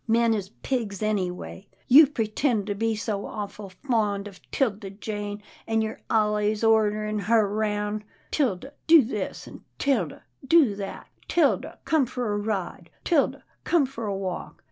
Men is pigs anyway. You preten' to be so awful fond of 'Tilda Jane, an' you're allays orderin' her roun' — 'Tilda do this, an' 'Tilda do that. 'Tilda come for a ride, 'Tilda come for a walk.